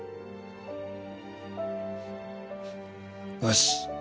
よし。